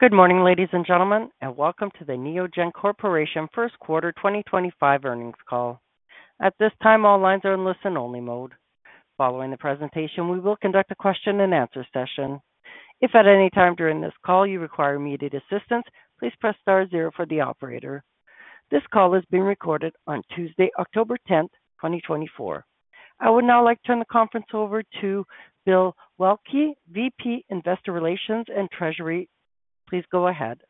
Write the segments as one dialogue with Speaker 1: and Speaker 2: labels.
Speaker 1: Good morning, ladies and gentlemen, and welcome to the Neogen Corporation first quarter 2025 earnings call. At this time, all lines are in listen-only mode. Following the presentation, we will conduct a question-and-answer session. If at any time during this call you require immediate assistance, please press star zero for the operator. This call is being recorded on Tuesday, October 10th, 2024. I would now like to turn the conference over to Bill Waelke, VP, Investor Relations and Treasury. Please go ahead.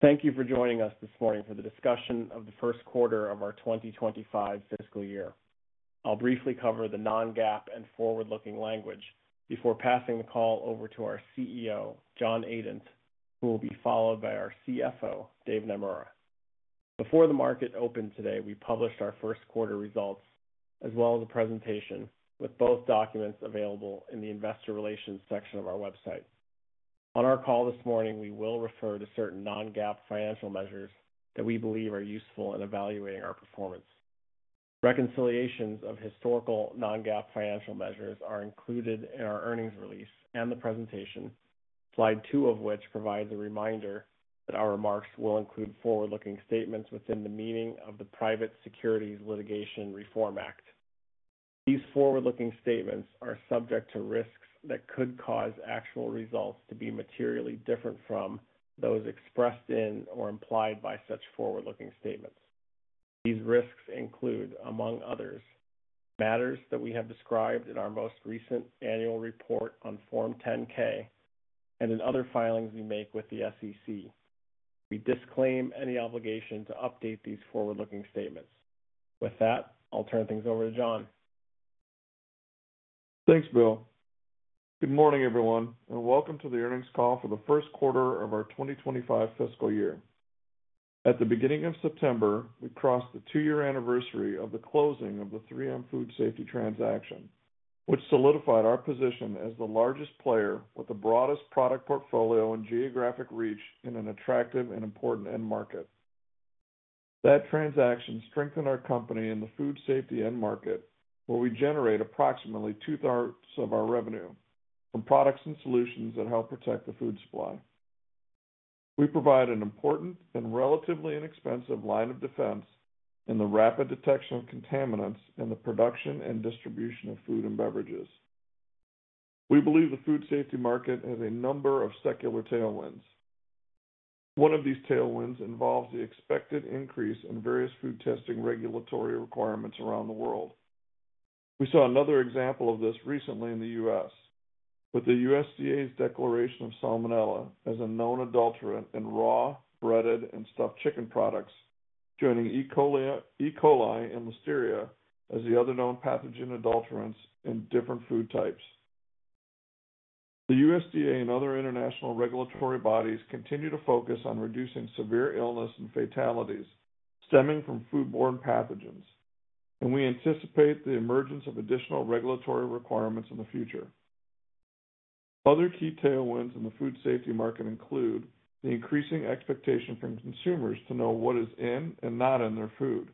Speaker 2: Thank you for joining us this morning for the discussion of the first quarter of our 2025 fiscal year. I'll briefly cover the non-GAAP and forward-looking language before passing the call over to our CEO, John Adent, who will be followed by our CFO, Dave Naemura. Before the market opened today, we published our first quarter results as well as a presentation, with both documents available in the investor relations section of our website. On our call this morning, we will refer to certain non-GAAP financial measures that we believe are useful in evaluating our performance. Reconciliations of historical non-GAAP financial measures are included in our earnings release and the presentation, slide two of which provides a reminder that our remarks will include forward-looking statements within the meaning of the Private Securities Litigation Reform Act. These forward-looking statements are subject to risks that could cause actual results to be materially different from those expressed in or implied by such forward-looking statements. These risks include, among others, matters that we have described in our most recent annual report on Form 10-K and in other filings we make with the SEC. We disclaim any obligation to update these forward-looking statements. With that, I'll turn things over to John.
Speaker 3: Thanks, Bill. Good morning, everyone, and welcome to the earnings call for the first quarter of our 2025 fiscal year. At the beginning of September, we crossed the two-year anniversary of the closing of the 3M Food Safety transaction, which solidified our position as the largest player with the broadest product portfolio and geographic reach in an attractive and important end market. That transaction strengthened our company in the food safety end market, where we generate approximately two-thirds of our revenue from products and solutions that help protect the food supply. We provide an important and relatively inexpensive line of defense in the rapid detection of contaminants in the production and distribution of food and beverages. We believe the food safety market has a number of secular tailwinds. One of these tailwinds involves the expected increase in various food testing regulatory requirements around the world. We saw another example of this recently in the U.S., with the USDA's declaration of Salmonella as a known adulterant in raw, breaded, and stuffed chicken products, joining E. coli and Listeria as the other known pathogen adulterants in different food types. The USDA and other international regulatory bodies continue to focus on reducing severe illness and fatalities stemming from foodborne pathogens, and we anticipate the emergence of additional regulatory requirements in the future. Other key tailwinds in the food safety market include the increasing expectation from consumers to know what is in and not in their food,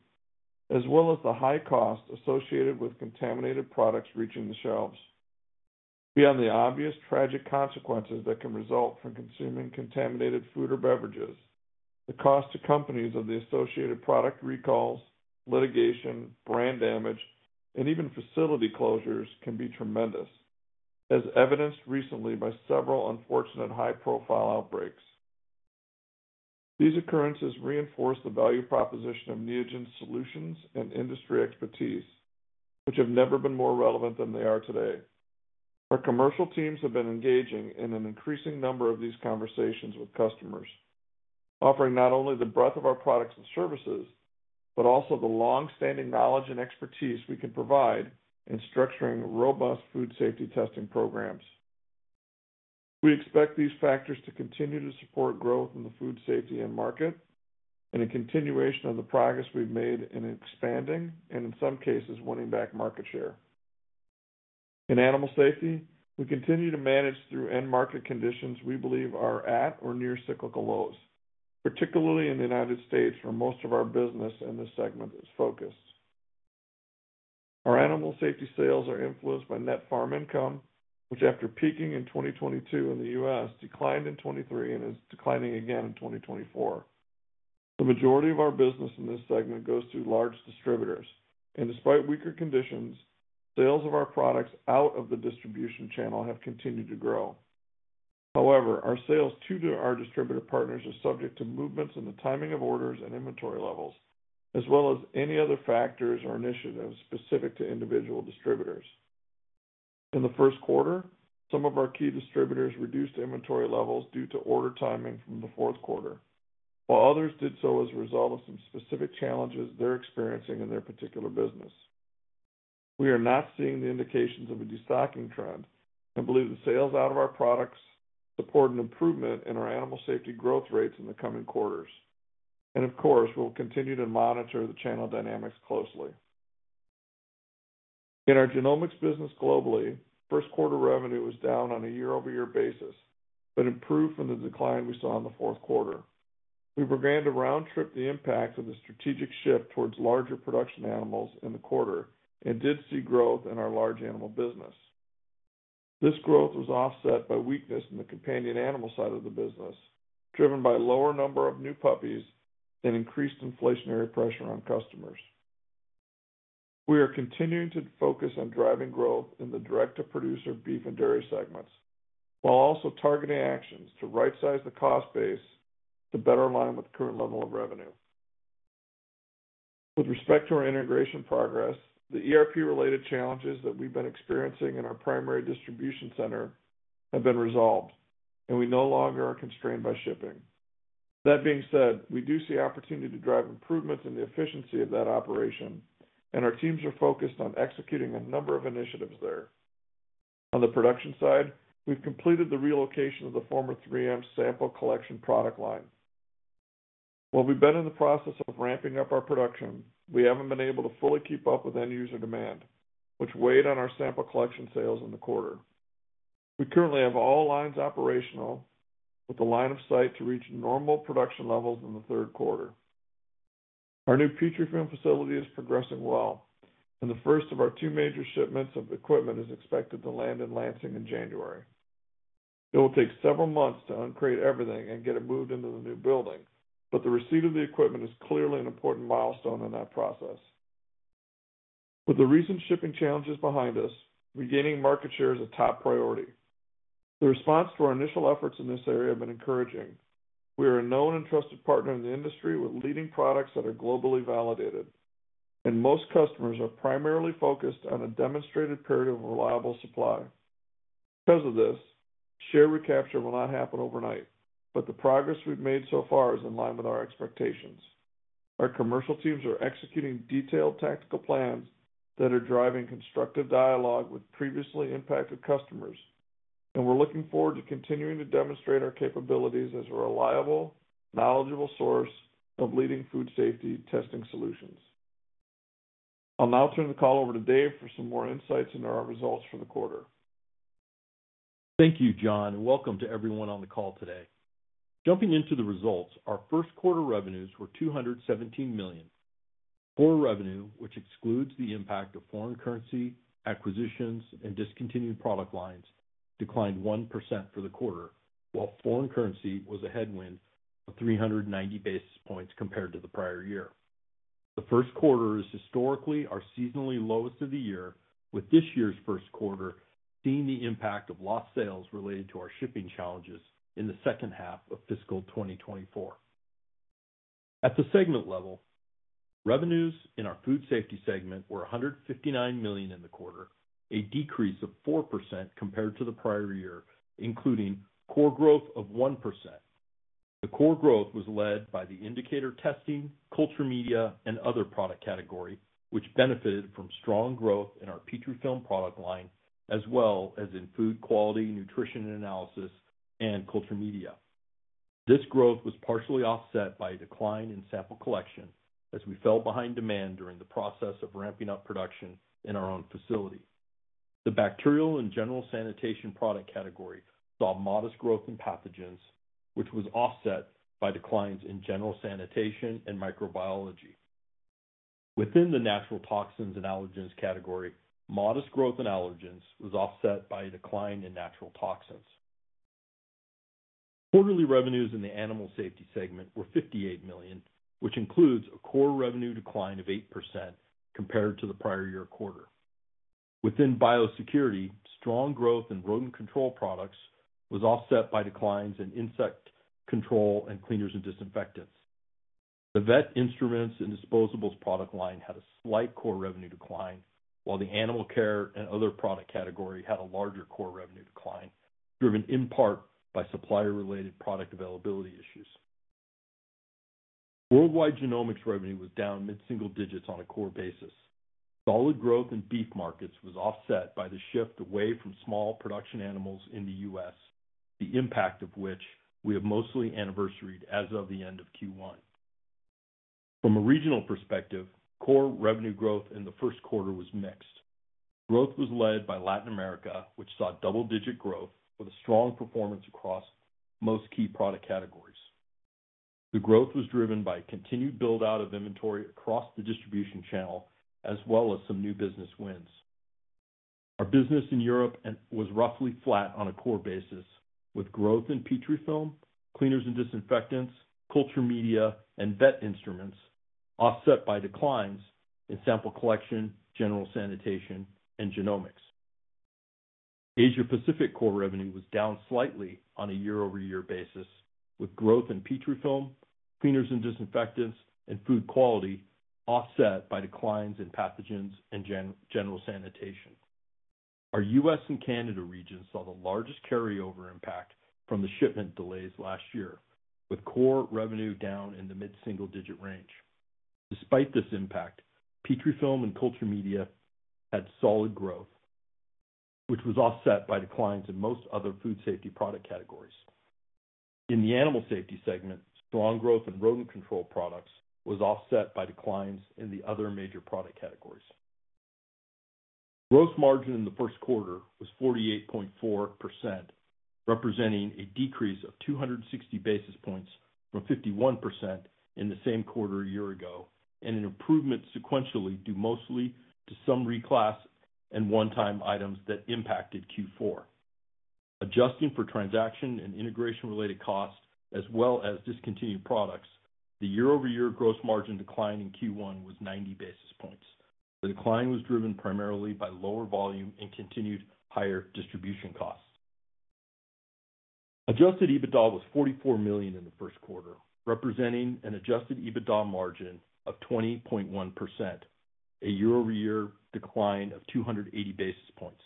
Speaker 3: as well as the high cost associated with contaminated products reaching the shelves. Beyond the obvious tragic consequences that can result from consuming contaminated food or beverages, the cost to companies of the associated product recalls, litigation, brand damage, and even facility closures can be tremendous, as evidenced recently by several unfortunate high-profile outbreaks. These occurrences reinforce the value proposition of Neogen's solutions and industry expertise, which have never been more relevant than they are today. Our commercial teams have been engaging in an increasing number of these conversations with customers, offering not only the breadth of our products and services, but also the long-standing knowledge and expertise we can provide in structuring robust food safety testing programs. We expect these factors to continue to support growth in the food safety end market and a continuation of the progress we've made in expanding and, in some cases, winning back market share. In animal safety, we continue to manage through end market conditions we believe are at or near cyclical lows, particularly in the United States, where most of our business in this segment is focused. Our animal safety sales are influenced by net farm income, which, after peaking in 2022 in the U.S., declined in 2023 and is declining again in 2024. The majority of our business in this segment goes through large distributors, and despite weaker conditions, sales of our products out of the distribution channel have continued to grow. However, our sales to our distributor partners are subject to movements in the timing of orders and inventory levels, as well as any other factors or initiatives specific to individual distributors. In the first quarter, some of our key distributors reduced inventory levels due to order timing from the fourth quarter, while others did so as a result of some specific challenges they're experiencing in their particular business. We are not seeing the indications of a destocking trend and believe the sales out of our products support an improvement in our animal safety growth rates in the coming quarters. And of course, we'll continue to monitor the channel dynamics closely. In our genomics business globally, first quarter revenue was down on a year-over-year basis, but improved from the decline we saw in the fourth quarter. We began to round trip the impact of the strategic shift towards larger production animals in the quarter, and did see growth in our large animal business. This growth was offset by weakness in the companion animal side of the business, driven by lower number of new puppies and increased inflationary pressure on customers. We are continuing to focus on driving growth in the direct-to-producer beef and dairy segments, while also targeting actions to rightsize the cost base to better align with the current level of revenue. With respect to our integration progress, the ERP-related challenges that we've been experiencing in our primary distribution center have been resolved, and we no longer are constrained by shipping. That being said, we do see opportunity to drive improvements in the efficiency of that operation, and our teams are focused on executing a number of initiatives there. On the production side, we've completed the relocation of the former 3M sample collection product line. While we've been in the process of ramping up our production, we haven't been able to fully keep up with end user demand, which weighed on our sample collection sales in the quarter. We currently have all lines operational, with a line of sight to reach normal production levels in the third quarter. Our new Petrifilm facility is progressing well, and the first of our two major shipments of equipment is expected to land in Lansing in January. It will take several months to uncrate everything and get it moved into the new building, but the receipt of the equipment is clearly an important milestone in that process. With the recent shipping challenges behind us, regaining market share is a top priority. The response to our initial efforts in this area have been encouraging. We are a known and trusted partner in the industry with leading products that are globally validated, and most customers are primarily focused on a demonstrated period of reliable supply. Because of this, share recapture will not happen overnight, but the progress we've made so far is in line with our expectations. Our commercial teams are executing detailed tactical plans that are driving constructive dialogue with previously impacted customers, and we're looking forward to continuing to demonstrate our capabilities as a reliable, knowledgeable source of leading food safety testing solutions. I'll now turn the call over to Dave for some more insights into our results for the quarter.
Speaker 4: Thank you, John, and welcome to everyone on the call today. Jumping into the results, our first quarter revenues were $217 million. Core revenue, which excludes the impact of foreign currency, acquisitions, and discontinued product lines, declined 1% for the quarter, while foreign currency was a headwind of 390 basis points compared to the prior year. The first quarter is historically our seasonally lowest of the year, with this year's first quarter seeing the impact of lost sales related to our shipping challenges in the second half of fiscal 2024. At the segment level, revenues in our Food Safety segment were $159 million in the quarter, a decrease of 4% compared to the prior year, including core growth of 1%. The core growth was led by the indicator testing, culture media, and other product category, which benefited from strong growth in our Petrifilm product line, as well as in food quality, nutrition and analysis, and culture media. This growth was partially offset by a decline in sample collection as we fell behind demand during the process of ramping up production in our own facility. The bacterial and general sanitation product category saw modest growth in pathogens, which was offset by declines in general sanitation and microbiology. Within the natural toxins and allergens category, modest growth in allergens was offset by a decline in natural toxins. Quarterly revenues in the Animal Safety segment were $58 million, which includes a core revenue decline of 8% compared to the prior year quarter. Within biosecurity, strong growth in rodent control products was offset by declines in insect control and cleaners and disinfectants. The vet instruments and disposables product line had a slight core revenue decline, while the animal care and other product category had a larger core revenue decline, driven in part by supplier-related product availability issues. Worldwide genomics revenue was down mid-single digits on a core basis. Solid growth in beef markets was offset by the shift away from small production animals in the U.S., the impact of which we have mostly anniversaried as of the end of Q1. From a regional perspective, core revenue growth in the first quarter was mixed. Growth was led by Latin America, which saw double-digit growth with a strong performance across most key product categories. The growth was driven by continued build-out of inventory across the distribution channel, as well as some new business wins. Our business in Europe was roughly flat on a core basis, with growth in Petrifilm, cleaners and disinfectants, culture media, and vet instruments offset by declines in sample collection, general sanitation, and genomics. Asia Pacific core revenue was down slightly on a year-over-year basis, with growth in Petrifilm, cleaners and disinfectants, and food quality offset by declines in pathogens and general sanitation. Our U.S. and Canada region saw the largest carryover impact from the shipment delays last year, with core revenue down in the mid-single-digit range. Despite this impact, Petrifilm and culture media had solid growth, which was offset by declines in most other food safety product categories. In the Animal Safety segment, strong growth in rodent control products was offset by declines in the other major product categories.... Gross margin in the first quarter was 48.4%, representing a decrease of 260 basis points from 51% in the same quarter a year ago, and an improvement sequentially, due mostly to some reclass and one-time items that impacted Q4. Adjusting for transaction and integration-related costs, as well as discontinued products, the year-over-year gross margin decline in Q1 was 90 basis points. The decline was driven primarily by lower volume and continued higher distribution costs. Adjusted EBITDA was $44 million in the first quarter, representing an adjusted EBITDA margin of 20.1%, a year-over-year decline of 280 basis points.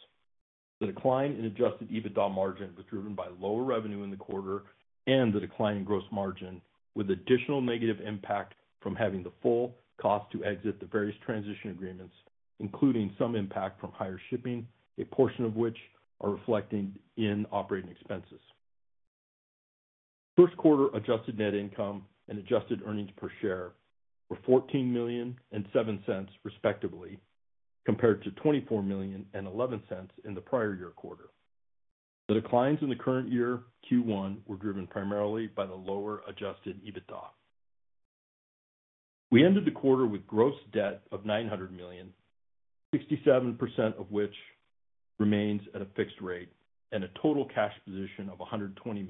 Speaker 4: The decline in Adjusted EBITDA margin was driven by lower revenue in the quarter and the decline in gross margin, with additional negative impact from having the full cost to exit the various transition agreements, including some impact from higher shipping, a portion of which are reflecting in operating expenses. First quarter adjusted net income and adjusted earnings per share were $14 million and $0.07, respectively, compared to $24 million and $0.11 in the prior year quarter. The declines in the current year, Q1, were driven primarily by the lower Adjusted EBITDA. We ended the quarter with gross debt of $900 million, 67% of which remains at a fixed rate and a total cash position of $120 million.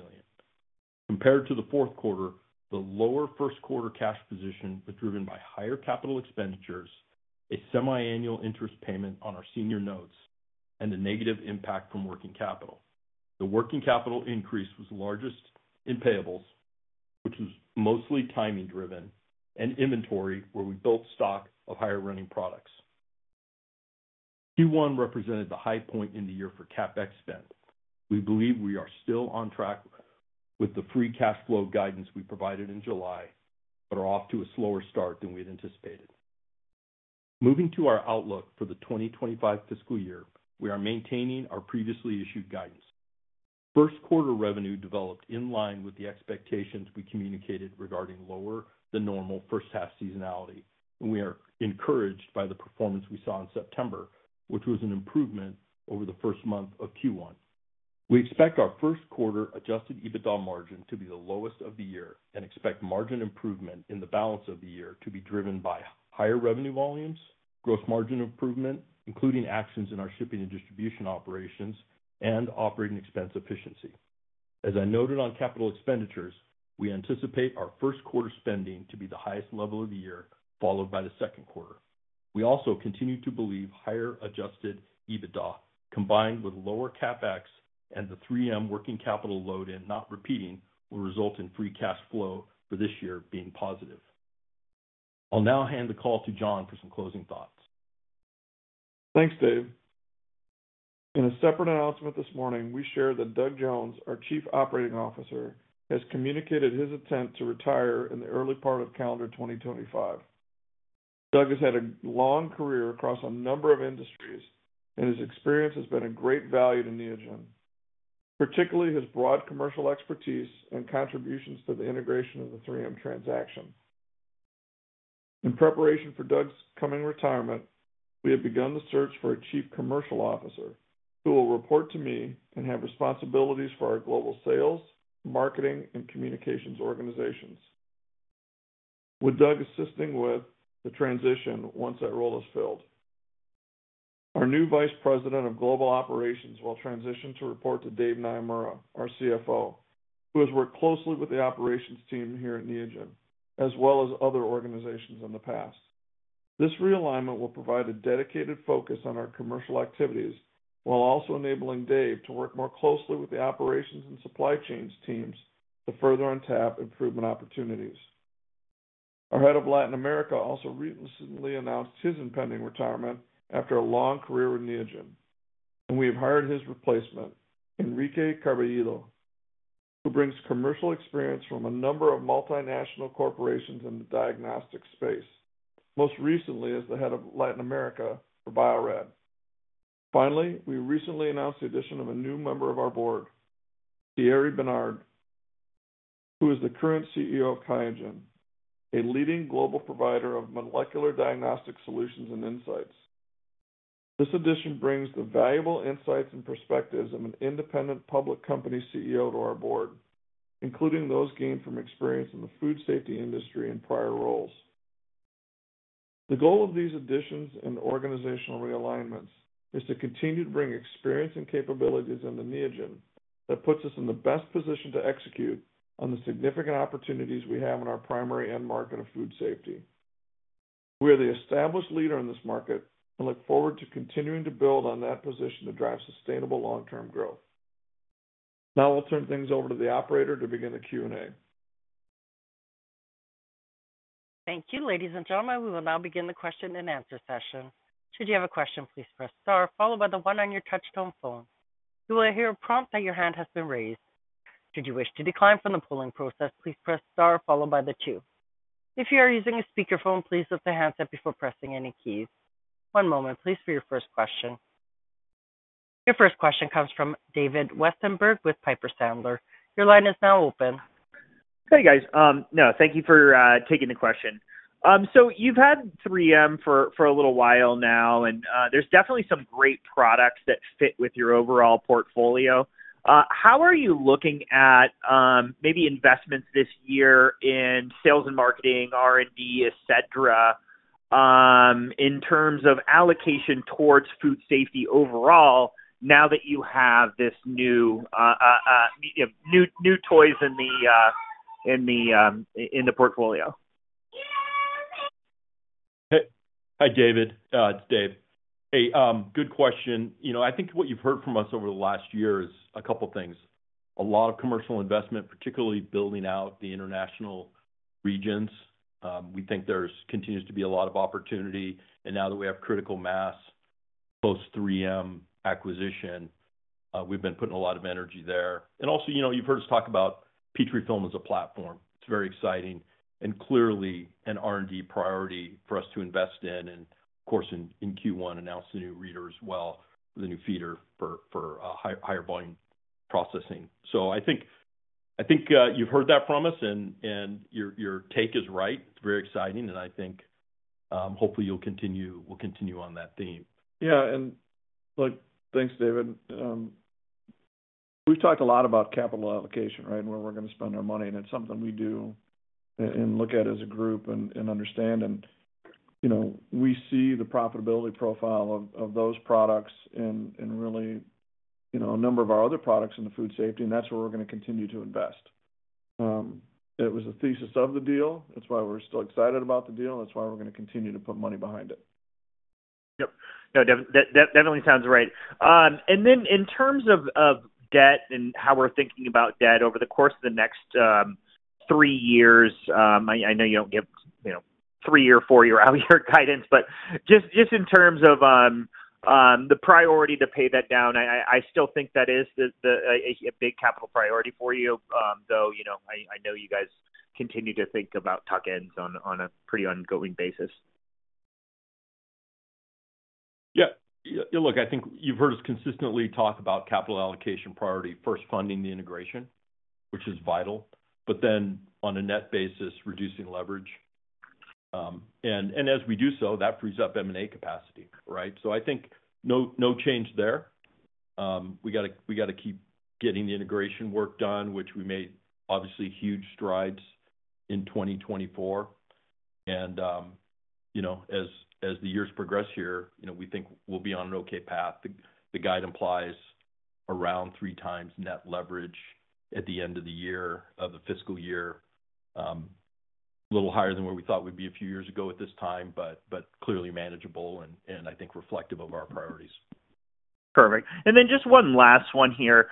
Speaker 4: Compared to the fourth quarter, the lower first quarter cash position was driven by higher capital expenditures, a semiannual interest payment on our senior notes, and a negative impact from working capital. The working capital increase was largest in payables, which was mostly timing driven, and inventory, where we built stock of higher running products. Q1 represented the high point in the year for CapEx spend. We believe we are still on track with the free cash flow guidance we provided in July, but are off to a slower start than we had anticipated. Moving to our outlook for the 2025 fiscal year, we are maintaining our previously issued guidance. First quarter revenue developed in line with the expectations we communicated regarding lower than normal first half seasonality, and we are encouraged by the performance we saw in September, which was an improvement over the first month of Q1. We expect our first quarter Adjusted EBITDA margin to be the lowest of the year, and expect margin improvement in the balance of the year to be driven by higher revenue volumes, gross margin improvement, including actions in our shipping and distribution operations and operating expense efficiency. As I noted on capital expenditures, we anticipate our first quarter spending to be the highest level of the year, followed by the second quarter. We also continue to believe higher Adjusted EBITDA, combined with lower CapEx and the 3M working capital load and not repeating, will result in free cash flow for this year being positive. I'll now hand the call to John for some closing thoughts.
Speaker 3: Thanks, Dave. In a separate announcement this morning, we shared that Doug Jones, our Chief Operating Officer, has communicated his intent to retire in the early part of calendar 2025. Doug has had a long career across a number of industries, and his experience has been a great value to Neogen, particularly his broad commercial expertise and contributions to the integration of the 3M transaction. In preparation for Doug's coming retirement, we have begun the search for a Chief Commercial Officer, who will report to me and have responsibilities for our global sales, marketing, and communications organizations, with Doug assisting with the transition once that role is filled. Our new Vice President of Global Operations will transition to report to Dave Naemura, our CFO, who has worked closely with the operations team here at Neogen, as well as other organizations in the past. This realignment will provide a dedicated focus on our commercial activities, while also enabling Dave to work more closely with the operations and supply chains teams to further untap improvement opportunities. Our Head of Latin America also recently announced his impending retirement after a long career with Neogen, and we have hired his replacement, Enrique Carballido, who brings commercial experience from a number of multinational corporations in the diagnostic space, most recently as the Head of Latin America for Bio-Rad. Finally, we recently announced the addition of a new member of our board, Thierry Bernard, who is the current CEO of QIAGEN, a leading global provider of molecular diagnostic solutions and insights. This addition brings the valuable insights and perspectives of an independent public company CEO to our board, including those gained from experience in the food safety industry in prior roles. The goal of these additions and organizational realignments is to continue to bring experience and capabilities into Neogen that puts us in the best position to execute on the significant opportunities we have in our primary end market of food safety. We are the established leader in this market and look forward to continuing to build on that position to drive sustainable long-term growth. Now I'll turn things over to the operator to begin the Q&A.
Speaker 1: Thank you, ladies and gentlemen. We will now begin the question and answer session. Should you have a question, please press star followed by the one on your touchtone phone. You will hear a prompt that your hand has been raised. Should you wish to decline from the polling process, please press star followed by the two. If you are using a speakerphone, please lift the handset before pressing any keys. One moment, please, for your first question. Your first question comes from David Westenberg with Piper Sandler. Your line is now open.
Speaker 5: Hey, guys. Thank you for taking the question. So you've had 3M for a little while now, and there's definitely some great products that fit with your overall portfolio. How are you looking at maybe investments this year in sales and marketing, R&D, et cetera, in terms of allocation towards food safety overall, now that you have this new toys in the portfolio?
Speaker 4: Hey. Hi, David. It's Dave. Hey, good question. You know, I think what you've heard from us over the last year is a couple things: a lot of commercial investment, particularly building out the international regions. We think there's continues to be a lot of opportunity, and now that we have critical mass, post 3M acquisition, we've been putting a lot of energy there. And also, you know, you've heard us talk about Petrifilm as a platform. It's very exciting and clearly an R&D priority for us to invest in, and of course, in Q1, announced the new reader as well, the new feeder for higher volume processing. So I think, you've heard that from us, and your take is right. It's very exciting, and I think, hopefully you'll continue, we'll continue on that theme.
Speaker 3: Yeah, and look, thanks, David. We've talked a lot about capital allocation, right? Where we're gonna spend our money, and it's something we do and look at as a group and understand, and you know, we see the profitability profile of those products and really you know, a number of our other products in the food safety, and that's where we're gonna continue to invest. It was a thesis of the deal. That's why we're still excited about the deal. That's why we're gonna continue to put money behind it.
Speaker 5: Yep. No, that definitely sounds right. And then in terms of debt and how we're thinking about debt over the course of the next three years, I know you don't give, you know, three-year, four-year, out-year guidance, but just in terms of the priority to pay that down, I still think that is a big capital priority for you, though, you know, I know you guys continue to think about tuck-ins on a pretty ongoing basis.
Speaker 4: Yeah. Yeah, look, I think you've heard us consistently talk about capital allocation priority, first funding the integration, which is vital, but then on a net basis, reducing leverage. And as we do so, that frees up M&A capacity, right? So I think no, no change there. We gotta keep getting the integration work done, which we made obviously huge strides in 2024. And, you know, as the years progress here, you know, we think we'll be on an okay path. The guide implies around three times net leverage at the end of the year, of the fiscal year, a little higher than where we thought we'd be a few years ago at this time, but clearly manageable and I think reflective of our priorities.
Speaker 5: Perfect. And then just one last one here.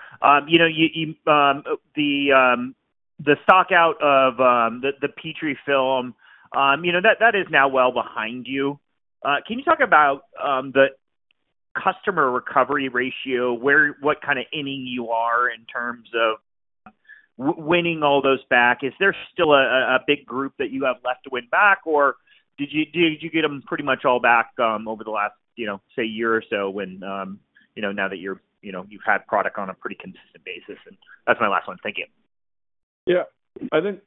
Speaker 5: You know, the stockout of the Petrifilm, you know, that is now well behind you. Can you talk about the customer recovery ratio, where, what kind of inning you are in terms of winning all those back? Is there still a big group that you have left to win back, or did you get them pretty much all back over the last, you know, say, year or so when, you know, now that you're, you know, you've had product on a pretty consistent basis? And that's my last one. Thank you.
Speaker 3: Yeah, I think,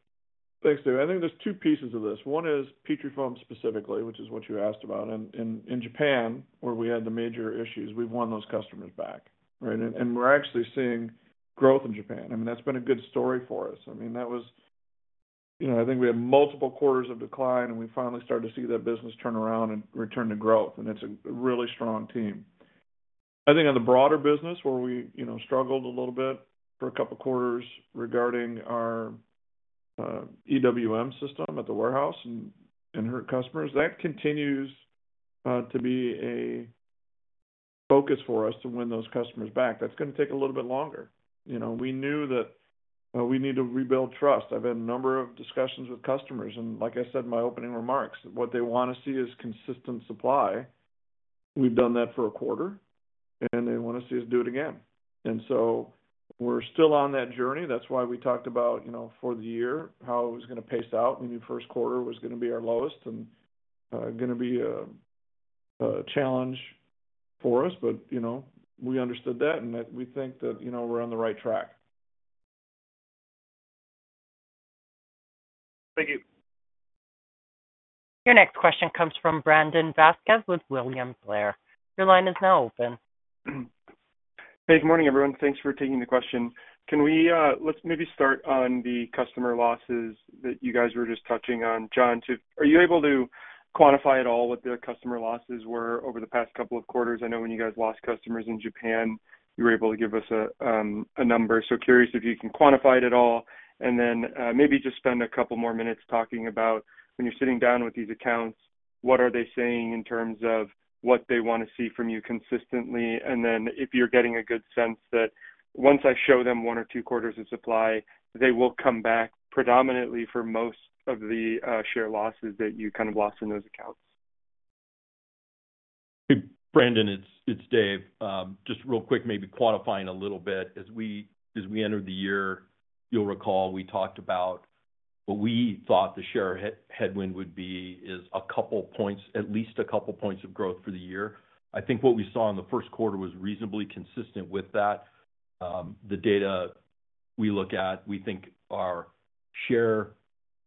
Speaker 3: thanks, David. I think there's two pieces of this. One is Petrifilm specifically, which is what you asked about, and in Japan, where we had the major issues, we've won those customers back, right? And we're actually seeing growth in Japan. I mean, that's been a good story for us. I mean, that was. You know, I think we had multiple quarters of decline, and we finally started to see that business turn around and return to growth, and it's a really strong team. I think on the broader business where we, you know, struggled a little bit for a couple of quarters regarding our EWM system at the warehouse and hurt customers, that continues to be a focus for us to win those customers back. That's gonna take a little bit longer. You know, we knew that, we need to rebuild trust. I've had a number of discussions with customers, and like I said in my opening remarks, what they wanna see is consistent supply. We've done that for a quarter, and they wanna see us do it again. And so we're still on that journey. That's why we talked about, you know, for the year, how it was gonna pace out, and the first quarter was gonna be our lowest and, gonna be a challenge for us. But, you know, we understood that and that we think that, you know, we're on the right track.
Speaker 5: Thank you.
Speaker 1: Your next question comes from Brandon Vazquez with William Blair. Your line is now open.
Speaker 6: Hey, good morning, everyone. Thanks for taking the question. Can we, let's maybe start on the customer losses that you guys were just touching on. John, are you able to quantify at all what the customer losses were over the past couple of quarters? I know when you guys lost customers in Japan, you were able to give us a number. So, curious if you can quantify it at all, and then, maybe just spend a couple more minutes talking about when you're sitting down with these accounts, what are they saying in terms of what they wanna see from you consistently? And then, if you're getting a good sense that once I show them one or two quarters of supply, they will come back predominantly for most of the share losses that you kind of lost in those accounts.
Speaker 4: Brandon, it's Dave. Just real quick, maybe quantifying a little bit. As we entered the year, you'll recall we talked about what we thought the share headwind would be is a couple points, at least a couple points of growth for the year. I think what we saw in the first quarter was reasonably consistent with that. The data we look at, we think our share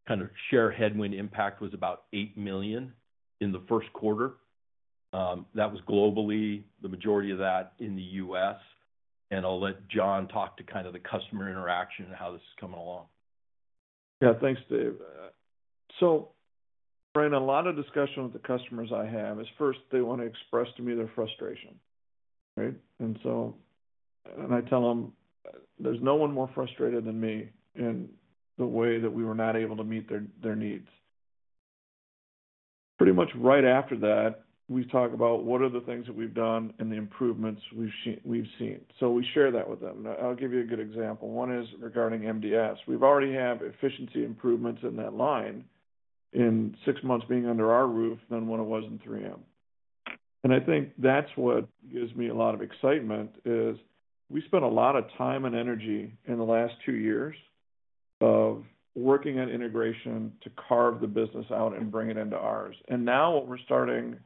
Speaker 4: headwind impact was about eight million in the first quarter. That was globally, the majority of that in the US, and I'll let John talk to kind of the customer interaction and how this is coming along.
Speaker 3: Yeah, thanks, Dave. So, Brandon, a lot of discussion with the customers I have is, first, they wanna express to me their frustration, right? And so, and I tell them, "There's no one more frustrated than me in the way that we were not able to meet their needs." Pretty much right after that, we talk about what are the things that we've done and the improvements we've seen. So we share that with them. And I'll give you a good example. One is regarding MDS. We've already had efficiency improvements in that line in six months being under our roof than when it was in 3M. And I think that's what gives me a lot of excitement, is we spent a lot of time and energy in the last two years of working on integration to carve the business out and bring it into ours. Now what we're starting,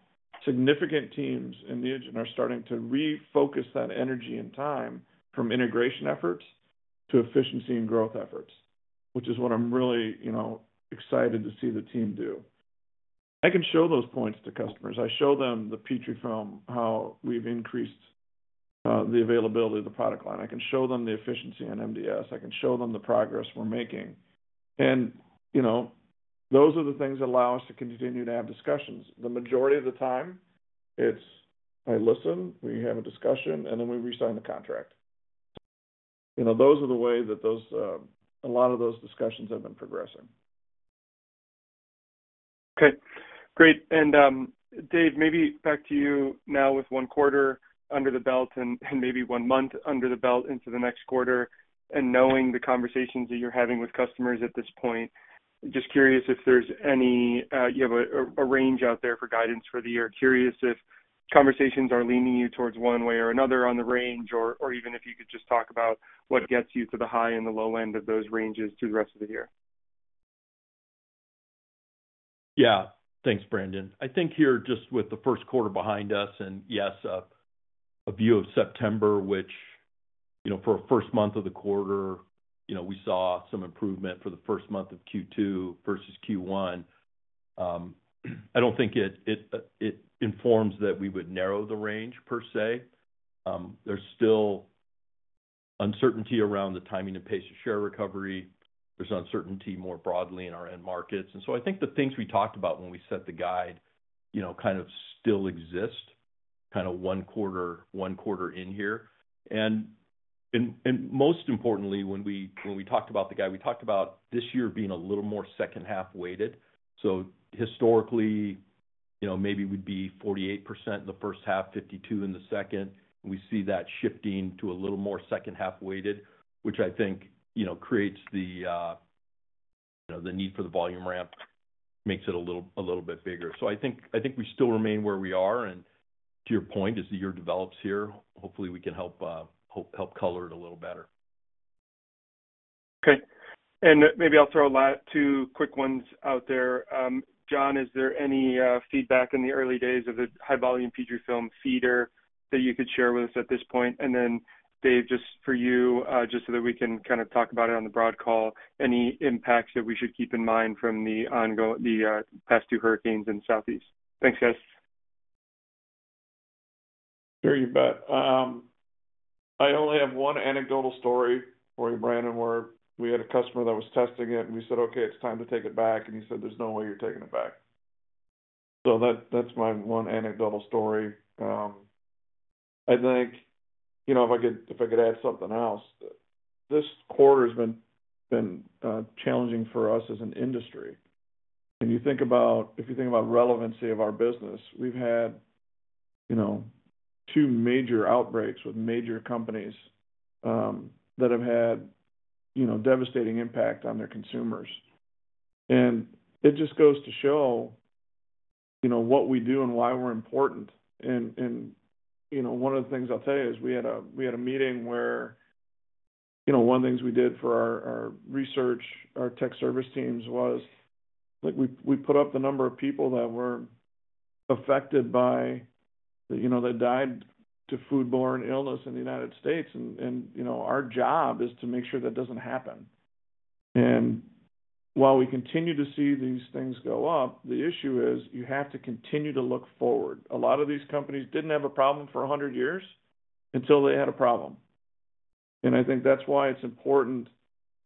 Speaker 3: significant teams in the engine are starting to refocus that energy and time from integration efforts to efficiency and growth efforts, which is what I'm really, you know, excited to see the team do. I can show those points to customers. I show them the Petrifilm, how we've increased the availability of the product line. I can show them the efficiency on MDS. I can show them the progress we're making. And, you know, those are the things that allow us to continue to have discussions. The majority of the time, it's. I listen, we have a discussion, and then we re-sign the contract. You know, those are the way that those, a lot of those discussions have been progressing.
Speaker 6: Okay, great. And, Dave, maybe back to you now with one quarter under the belt and maybe one month under the belt into the next quarter, and knowing the conversations that you're having with customers at this point, just curious if there's any, you have a range out there for guidance for the year. Curious if conversations are leaning you towards one way or another on the range, or even if you could just talk about what gets you to the high and the low end of those ranges through the rest of the year.
Speaker 4: Yeah. Thanks, Brandon. I think here, just with the first quarter behind us, and yes, a view of September, which, you know, for a first month of the quarter, you know, we saw some improvement for the first month of Q2 versus Q1. I don't think it informs that we would narrow the range, per se. There's still uncertainty around the timing and pace of share recovery. There's uncertainty more broadly in our end markets. And so I think the things we talked about when we set the guide, you know, kind of still exist, kind of one quarter in here. And most importantly, when we talked about the guide, we talked about this year being a little more second half weighted. So historically, you know, maybe we'd be 48% in the first half, 52% in the second. We see that shifting to a little more second half weighted, which I think, you know, creates the, you know, the need for the volume ramp, makes it a little bit bigger. So I think we still remain where we are, and to your point, as the year develops here, hopefully, we can help color it a little better.
Speaker 6: Okay. And maybe I'll throw a last two quick ones out there. John, is there any feedback in the early days of the high-volume Petrifilm feeder that you could share with us at this point? And then, Dave, just for you, just so that we can kind of talk about it on the broad call, any impacts that we should keep in mind from the past two hurricanes in the Southeast? Thanks, guys.
Speaker 3: Sure, you bet. I only have one anecdotal story for you, Brandon, where we had a customer that was testing it, and we said, "Okay, it's time to take it back." And he said: "There's no way you're taking it back." So that, that's my one anecdotal story. I think, you know, if I could add something else, this quarter's been challenging for us as an industry. When you think about relevancy of our business, we've had, you know, two major outbreaks with major companies, that have had, you know, devastating impact on their consumers. And it just goes to show, you know, what we do and why we're important. And, you know, one of the things I'll tell you is we had a meeting where, you know, one of the things we did for our research, our tech service teams was, like, we put up the number of people that were affected by, you know, that died to foodborne illness in the United States, and, you know, our job is to make sure that doesn't happen. And while we continue to see these things go up, the issue is you have to continue to look forward. A lot of these companies didn't have a problem for a hundred years until they had a problem, and I think that's why it's important,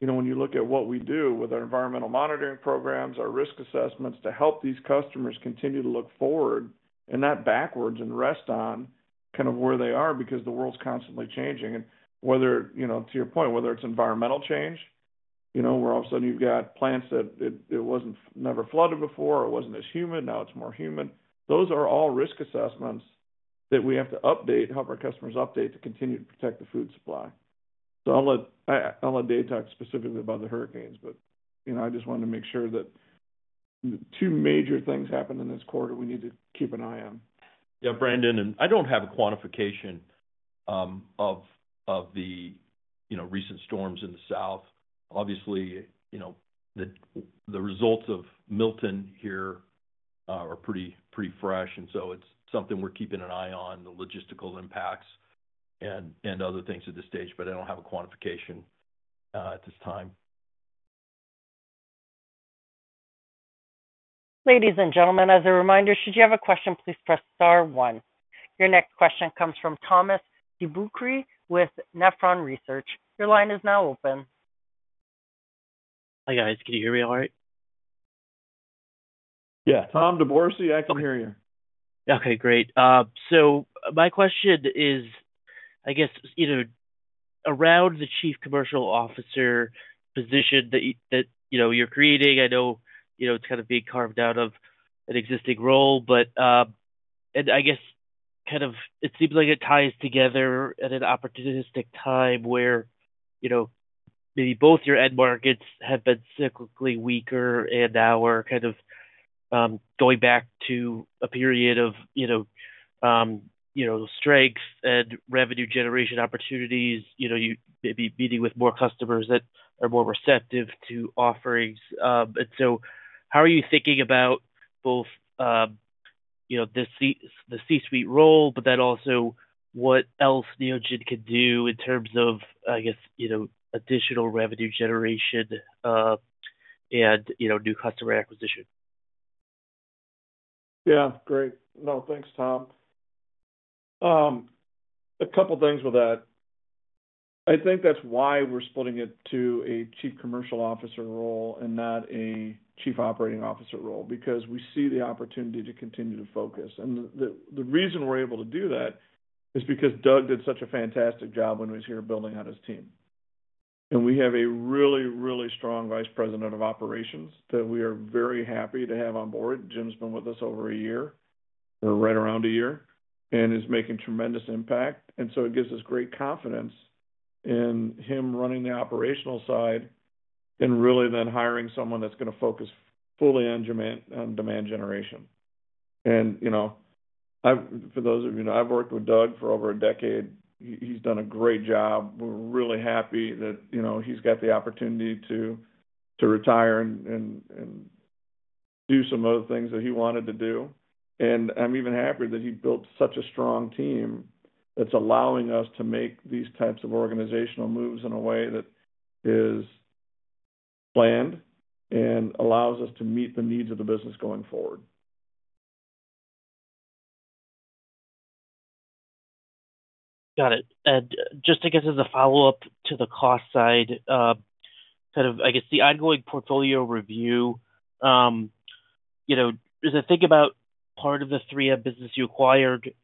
Speaker 3: you know, when you look at what we do with our environmental monitoring programs, our risk assessments, to help these customers continue to look forward and not backwards and rest on kind of where they are, because the world's constantly changing. And whether, you know, to your point, whether it's environmental change, you know, where all of a sudden you've got plants that it wasn't never flooded before, or it wasn't as humid, now it's more humid. Those are all risk assessments that we have to update, help our customers update, to continue to protect the food supply. So I'll let Dave talk specifically about the hurricanes, but, you know, I just wanted to make sure that... Two major things happened in this quarter, we need to keep an eye on.
Speaker 4: Yeah, Brandon, and I don't have a quantification of the, you know, recent storms in the south. Obviously, you know, the results of Milton here are pretty fresh, and so it's something we're keeping an eye on, the logistical impacts and other things at this stage, but I don't have a quantification at this time.
Speaker 1: Ladies and gentlemen, as a reminder, should you have a question, please press star one. Your next question comes from Thomas DeBourcy with Nephron Research. Your line is now open.
Speaker 7: Hi, guys. Can you hear me all right?
Speaker 3: Yeah, Tom DeBourcy, I can hear you.
Speaker 7: Okay, great, so my question is, I guess, you know, around the Chief Commercial Officer position that you, you know, you're creating. I know, you know, it's kind of being carved out of an existing role, but, and I guess kind of it seems like it ties together at an opportunistic time where, you know, maybe both your end markets have been cyclically weaker and now we're kind of going back to a period of, you know, you know, strengths and revenue generation opportunities. You know, you may be meeting with more customers that are more receptive to offerings, and so how are you thinking about both, you know, the C-suite role, but then also what else Neogen could do in terms of, I guess, you know, additional revenue generation, and, you know, new customer acquisition?
Speaker 3: Yeah, great. No, thanks, Tom. A couple things with that. I think that's why we're splitting it to a chief commercial officer role and not a chief operating officer role, because we see the opportunity to continue to focus. And the reason we're able to do that is because Doug did such a fantastic job when he was here building out his team. And we have a really, really strong vice president of operations that we are very happy to have on board. Jim's been with us over a year, or right around a year, and is making tremendous impact. And so it gives us great confidence in him running the operational side and really then hiring someone that's gonna focus fully on demand, on demand generation. And you know, I've, for those of you who know, I've worked with Doug for over a decade. He, he's done a great job. We're really happy that, you know, he's got the opportunity to retire and do some other things that he wanted to do. And I'm even happier that he built such a strong team that's allowing us to make these types of organizational moves in a way that is planned and allows us to meet the needs of the business going forward.
Speaker 7: Got it. And just as a follow-up to the cost side, the ongoing portfolio review, you know, as I think about part of the 3M business you acquired,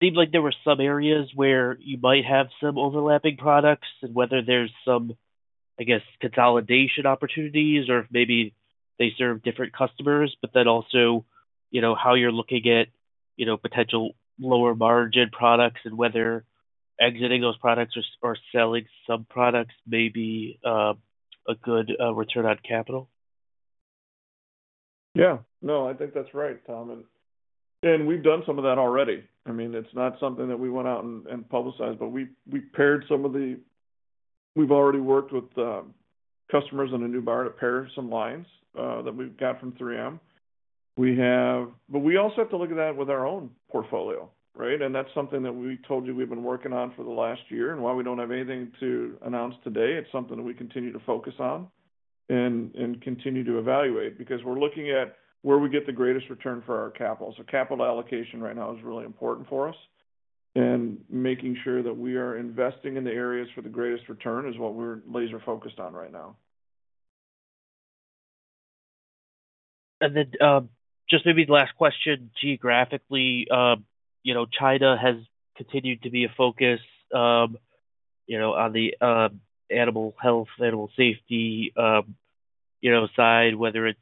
Speaker 7: seems like there were some areas where you might have some overlapping products, and whether there's some consolidation opportunities or maybe they serve different customers. But then also, you know, how you're looking at, you know, potential lower margin products and whether exiting those products or selling some products may be a good return on capital.
Speaker 3: Yeah. No, I think that's right, Tom. And we've done some of that already. I mean, it's not something that we went out and publicized, but we paired some of the... We've already worked with customers on a new bar to pair some lines that we've got from 3M. But we also have to look at that with our own portfolio, right? And that's something that we told you we've been working on for the last year. And while we don't have anything to announce today, it's something that we continue to focus on and continue to evaluate because we're looking at where we get the greatest return for our capital. So capital allocation right now is really important for us, and making sure that we are investing in the areas for the greatest return is what we're laser-focused on right now.
Speaker 7: And then, just maybe the last question, geographically, you know, China has continued to be a focus, you know, on the animal health, animal safety, you know, side, whether it's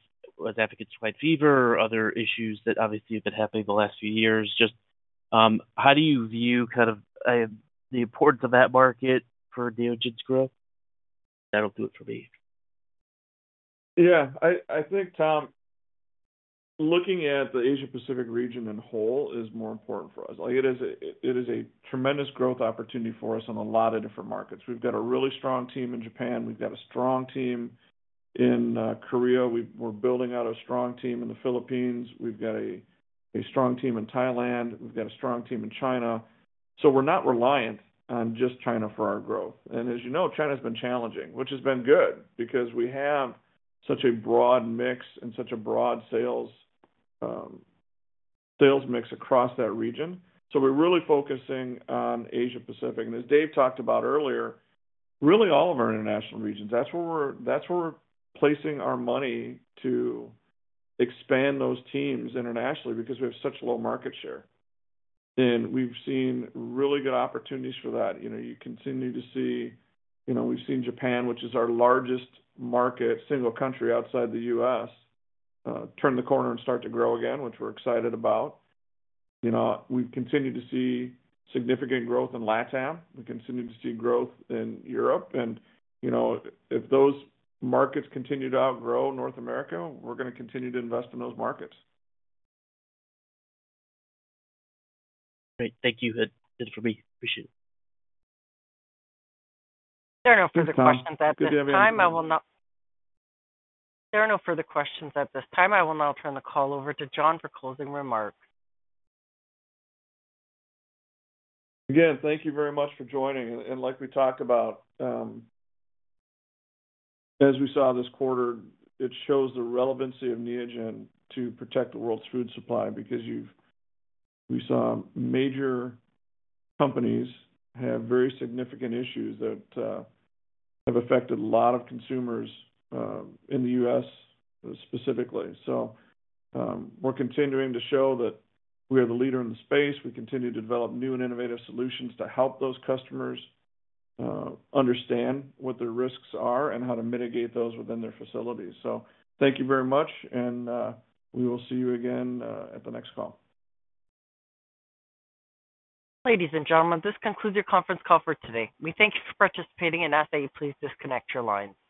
Speaker 7: African swine fever or other issues that obviously have been happening the last few years. Just, how do you view kind of the importance of that market for Neogen's growth? That'll do it for me.
Speaker 3: Yeah. I think, Tom, looking at the Asia Pacific region as a whole is more important for us. Like, it is a tremendous growth opportunity for us in a lot of different markets. We've got a really strong team in Japan. We've got a strong team in Korea. We're building out a strong team in the Philippines. We've got a strong team in Thailand. We've got a strong team in China. So we're not reliant on just China for our growth. And as you know, China's been challenging, which has been good because we have such a broad mix and such a broad sales mix across that region. So we're really focusing on Asia Pacific. As Dave talked about earlier, really all of our international regions, that's where we're placing our money to expand those teams internationally, because we have such low market share. And we've seen really good opportunities for that. You know, you continue to see, you know, we've seen Japan, which is our largest market, single country outside the U.S., turn the corner and start to grow again, which we're excited about. You know, we've continued to see significant growth in LatAm. We continue to see growth in Europe. And, you know, if those markets continue to outgrow North America, we're gonna continue to invest in those markets.
Speaker 7: Great. Thank you. That's it for me. Appreciate it.
Speaker 1: There are no further questions at this time. I will now-
Speaker 3: Thanks, Tom.
Speaker 1: There are no further questions at this time. I will now turn the call over to John for closing remarks.
Speaker 3: Again, thank you very much for joining, and like we talked about, as we saw this quarter, it shows the relevancy of Neogen to protect the world's food supply, because we saw major companies have very significant issues that have affected a lot of consumers in the U.S. specifically, so we're continuing to show that we are the leader in the space. We continue to develop new and innovative solutions to help those customers understand what their risks are and how to mitigate those within their facilities, so thank you very much, and we will see you again at the next call.
Speaker 1: Ladies and gentlemen, this concludes your conference call for today. We thank you for participating and ask that you please disconnect your lines.